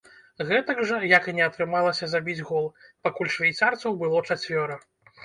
Гэтак жа, як і не атрымалася забіць гол, пакуль швейцарцаў было чацвёра.